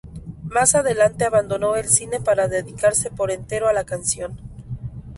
Más adelante abandonó el cine para dedicarse por entero a la canción.